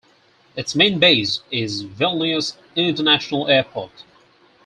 Its main base is Vilnius International Airport.